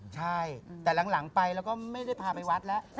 ใช่แต่หลังไปแล้วก็ไม่ได้พาไปวัดแล้ว